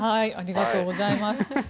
ありがとうございます。